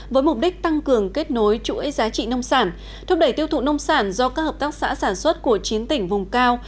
với mục đích tăng cường kết nối chuỗi giá trị nông sản thúc đẩy tiêu thụ nông sản do các hợp tác xã sản xuất của chín tỉnh vùng cao